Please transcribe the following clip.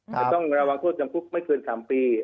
จะต้องระวังโทษจำคุกไม่เกิน๓ปี